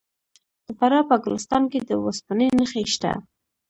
د فراه په ګلستان کې د وسپنې نښې شته.